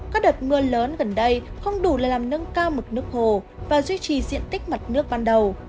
các đợt mưa lớn gần đây không đủ là làm nâng cao mực nước hồ và duy trì diện tích mặt nước ban đầu